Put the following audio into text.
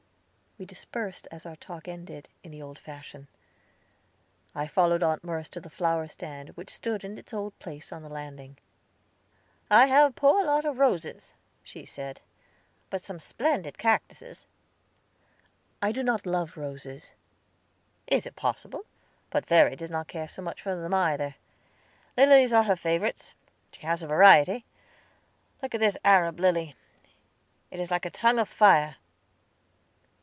We dispersed as our talk ended, in the old fashion. I followed Aunt Merce to the flower stand, which stood in its old place on the landing. "I have a poor lot of roses," she said, "but some splendid cactuses." "I do not love roses." "Is it possible? But Verry does not care so much for them, either. Lilies are her favorites; she has a variety. Look at this Arab lily; it is like a tongue of fire."